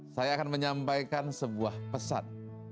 saya akan menyampaikan sebuah pesan